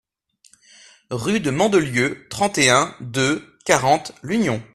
RUE DE MANDELIEU, trente et un, deux cent quarante L'Union